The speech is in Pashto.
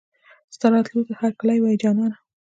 ستا راتلو ته هرکلی وايو جانانه